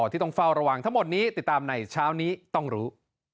ที่ต้องเฝ้าระวังทั้งหมดนี้ติดตามในเช้านี้ต้องรู้